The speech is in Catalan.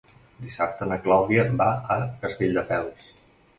Dissabte na Clàudia va a Castelldefels.